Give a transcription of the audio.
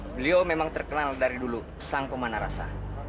beliau memang terkenal dari dulu sang pemana rasa